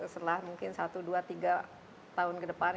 setelah mungkin satu dua tiga tahun ke depan